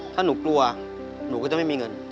ถ้าหนูกลัวหนูก็จะไม่มีเงิน